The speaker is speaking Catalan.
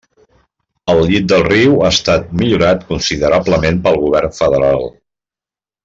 El llit del riu ha estat millorat considerablement pel govern federal.